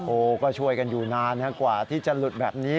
โอ้โหก็ช่วยกันอยู่นานกว่าที่จะหลุดแบบนี้